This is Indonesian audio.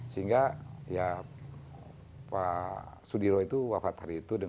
sehingga ya pak sudiro itu wafat hari itu